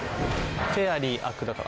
フェアリーあくだから。